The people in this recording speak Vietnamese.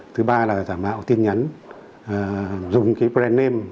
thứ ba là giả mạo tin nhắn dùng cái brand name